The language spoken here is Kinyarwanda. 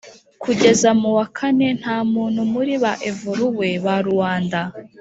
Kugeza mu wa kane nta muntu muri ba evoluwe ba Ruanda